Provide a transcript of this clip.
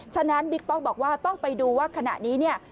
ฉะนั้นบิ๊กป้อมบอกว่าต้องไปดูว่าขณะนี้เนี่ย